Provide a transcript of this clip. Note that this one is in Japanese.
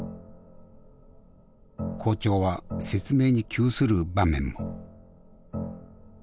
校長は説明に窮する場面も。